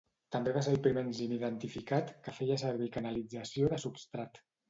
També va ser el primer enzim identificat que feia servir canalització de substrat.